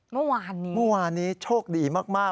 เมื่อวานนี้เมื่อวานนี้โชคดีมากมาก